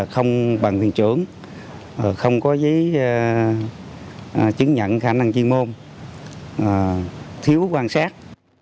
không bằng thiền trưởng không có chứng nhận khả năng chuyên môn thiếu quan sát